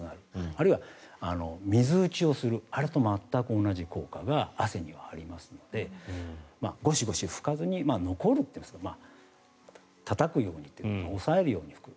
あるいは水打ちをするあれと全く同じ効果が汗にはありますのでゴシゴシ拭かずに残るというかたたくように押さえるように拭く。